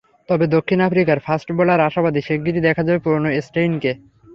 তবে দক্ষিণ আফ্রিকার ফাস্ট বোলার আশাবাদী, শিগগিরই দেখা যাবে পুরোনো স্টেইনকে।